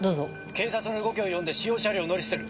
警察の動きを読んで使用車両を乗り捨てる。